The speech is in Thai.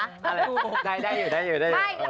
ได้อยู่